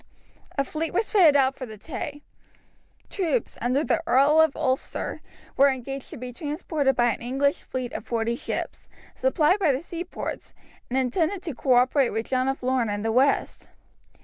A fleet was fitted out for the Tay. Troops, under the Earl of Ulster, were engaged to be transported by an English fleet of forty ships, supplied by the seaports, and intended to cooperate with John of Lorne in the west.